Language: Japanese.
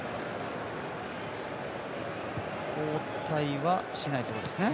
交代はしないところですね。